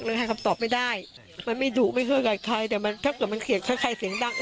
ให้คำตอบไม่ได้มันไม่ดุไม่เคยกับใครแต่มันถ้าเกิดมันเขียนคล้ายใครเสียงดัง